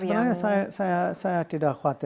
sebenarnya saya tidak khawatir